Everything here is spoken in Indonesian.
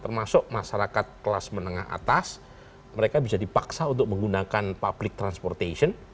termasuk masyarakat kelas menengah atas mereka bisa dipaksa untuk menggunakan public transportation